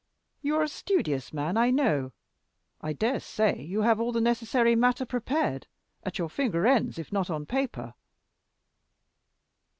You are a studious man, I know; I dare say you have all the necessary matter prepared at your finger ends, if not on paper."